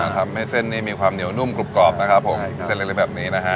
ทำให้เส้นนี้มีความเหนียวนุ่มกรุบกรอบนะครับผมเส้นเล็กแบบนี้นะฮะ